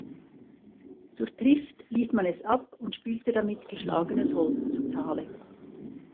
Zur Trift ließ man es ab und spülte damit geschlagenes Holz zu Tale.